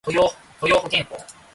雇用保険法